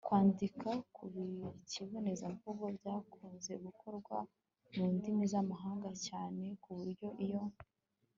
kwandika ku kibonezamvugo byakunze gukorwa mu ndimi z'amahanga cyane ku buryo iyo